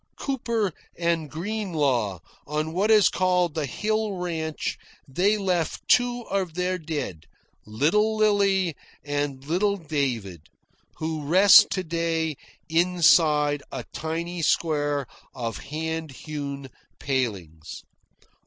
Cooper and Greenlaw on what is called the Hill Ranch they left two of their dead, "Little Lillie" and "Little David," who rest to day inside a tiny square of hand hewn palings.